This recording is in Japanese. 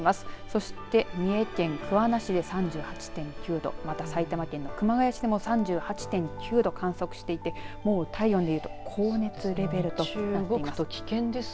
そして三重県桑名市で３８．９度また埼玉県の熊谷市でも３８．９度を観測していてもう体温でいうと高熱レベルとなっています。